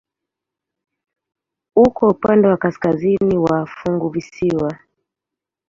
Uko upande wa kaskazini wa funguvisiwa.